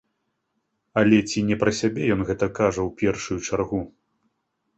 Але ці не пра сябе ён гэта кажа ў першую чаргу?